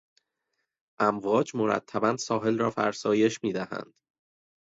امواج مرتبا ساحل را فرسایش میدهند.